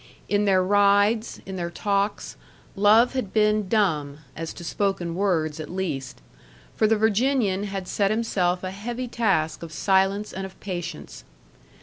In their rides, in their talks, love had been dumb, as to spoken words at least; for the Virginian had set himself a heavy task of silence and of patience.